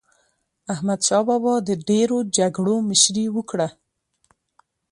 احمدشاه بابا د ډېرو جګړو مشري وکړه.